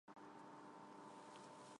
Մանկութեան կորսնցուցած է իր հայրը։